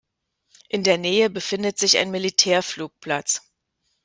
In der Nähe befindet sich ein Militärflugplatz.